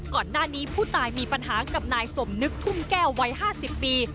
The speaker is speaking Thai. ก่อนหน้านี้ผู้ตายมีปัญหากับนายสมนึกพุ่มแก้ววัย๕๐ปี